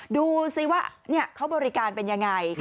ดูสิว่าเขาบริการเป็นยังไง